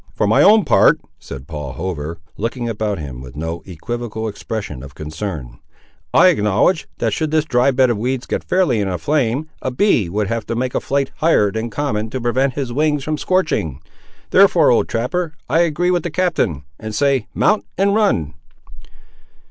"For my own part," said Paul Hover, looking about him with no equivocal expression of concern, "I acknowledge, that should this dry bed of weeds get fairly in a flame, a bee would have to make a flight higher than common to prevent his wings from scorching. Therefore, old trapper, I agree with the captain, and say mount and run."